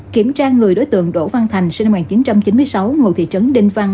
kiểm tra người đối tượng đỗ văn thành sinh năm một nghìn chín trăm chín mươi sáu ngụ thị trấn đinh văn